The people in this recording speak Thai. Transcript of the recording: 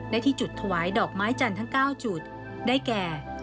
ที่จุดถวายดอกไม้จันทร์ทั้ง๙จุดได้แก่